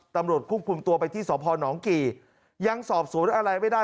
ตำรวจคุ้มตัวไปที่สอบพรหนองกลียังสอบสวนอะไรไม่ได้